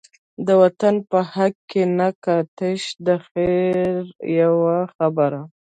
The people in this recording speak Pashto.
د وطن په حق کی نه کا، تش دخیر یوه خبره